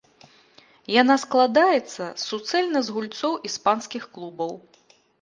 Яна складаецца суцэльна з гульцоў іспанскіх клубаў!